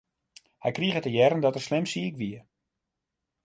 Hy krige te hearren dat er slim siik wie.